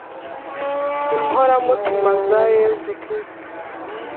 inkoramutima za yezu kristu